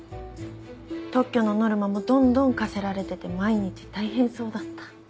特許のノルマもどんどん課せられてて毎日大変そうだった。